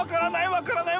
分からない！